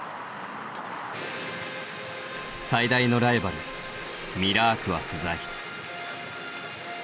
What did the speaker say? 最大のライバルミラークは不在。